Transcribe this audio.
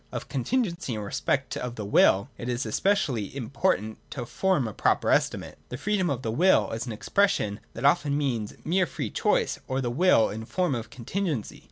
Of contingency in respect of the Will it is especially im portant to form a proper estimate. The Freedo m of t he Will is an expression that often means mere free choice , or the will in the form of contingency.